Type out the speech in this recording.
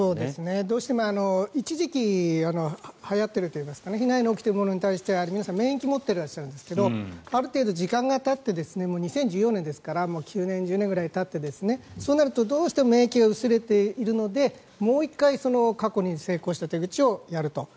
どうしても一時期はやっているといいますか被害が起きているものに対しては皆さん、免疫を持っていらっしゃるんですけどある程度、時間がたって２０１４年ですから９年、１０年ぐらいたってそうなるとどうしても免疫が薄れているのでもう１回過去に成功した手口をやると。